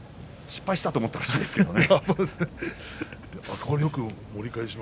失敗したと本人は思ったらしいですね。